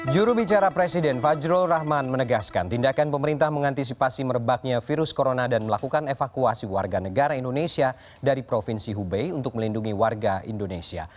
jurubicara presiden fajrul rahman menegaskan tindakan pemerintah mengantisipasi merebaknya virus corona dan melakukan evakuasi warga negara indonesia dari provinsi hubei untuk melindungi warga indonesia